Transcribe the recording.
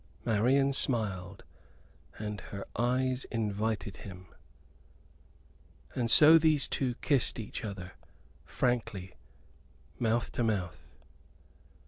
Marian smiled, and her eyes invited him. And so these two kissed each other frankly, mouth to mouth.